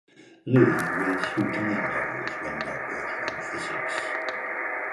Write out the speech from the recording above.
Lee reads whodunit novels when not working on physics.